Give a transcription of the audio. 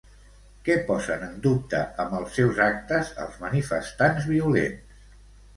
Què posen en dubte, amb els seus actes, els manifestants violents?